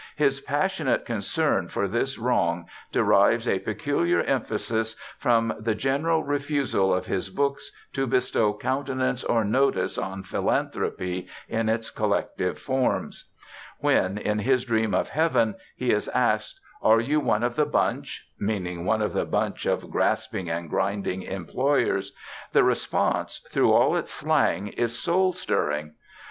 His passionate concern for this wrong derives a peculiar emphasis from the general refusal of his books to bestow countenance or notice on philanthropy in its collective forms. When, in his dream of Heaven, he is asked: "Are you one of the bunch?" (meaning one of the bunch of grasping and grinding employers), the response, through all its slang, is soul stirring.